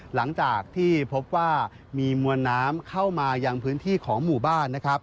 หลังจากที่พบว่ามีมวลน้ำเข้ามายังพื้นที่ของหมู่บ้านนะครับ